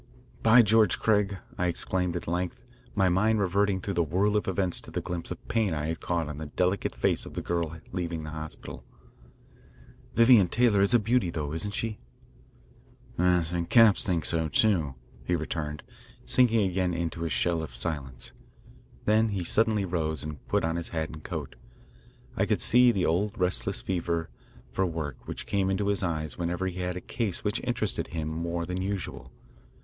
"By George, Craig," I exclaimed at length, my mind reverting through the whirl of events to the glimpse of pain I had caught on the delicate face of the girl having the hospital, "Vivian Taylor is a beauty, though, isn't she?" "And Capps thinks so, too," he returned, sinking again into his shell of silence. Then he suddenly rose and put on his hat and coat. I could see the old restless fever for work which came into his eyes whenever he had a case which interested him more than usual.